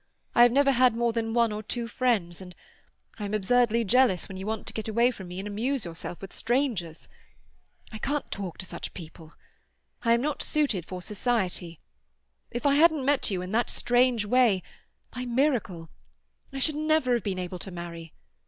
I have never had more than one or two friends, and I am absurdly jealous when you want to get away from me and amuse yourself with strangers. I can't talk to such people. I am not suited for society. If I hadn't met you in that strange way, by miracle, I should never have been able to marry.